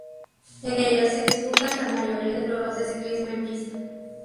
En ellas se disputan la mayoría de pruebas de ciclismo en pista.